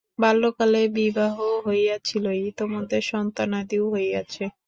বাল্যকালে বিবাহ হইয়াছিল, ইতিমধ্যে সন্তানাদিও হইয়াছে।